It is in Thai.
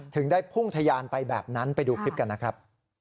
ถึงได้พุ่งทะยานไปแบบนั้นไปดูคลิปกันนะครับ